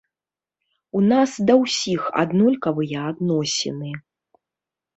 У нас да ўсіх аднолькавыя адносіны.